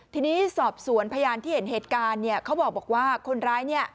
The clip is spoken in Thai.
ทีนี้สอบสวนพยานที่เห็นเหตุการณ์เนี่ยเขาบอกว่าคนร้ายเนี่ย